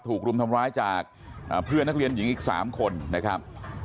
รุมทำร้ายจากเพื่อนนักเรียนหญิงอีก๓คนนะครับ